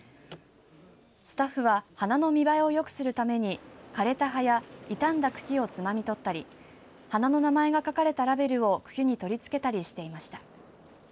スタッフは花の見栄えをよくするために枯れた葉や傷んだ茎をつまみ取ったり花の名前が書かれたラベルを茎に取り付けたりしていました。